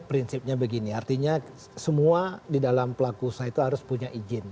prinsipnya begini artinya semua di dalam pelaku usaha itu harus punya izin